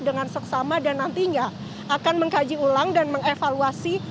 dengan seksama dan nantinya akan mengkaji ulang dan mengevaluasi